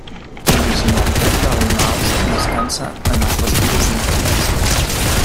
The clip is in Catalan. L'originalitat del naos descansa en els dos pisos interiors.